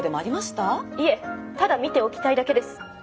いえただ見ておきたいだけです。